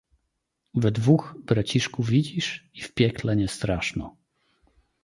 "We dwóch, braciszku, widzisz, i w piekle nie straszno."